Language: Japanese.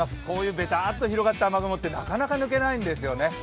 こういうべたっと広がった雨雲ってなかなか抜けないんですよね。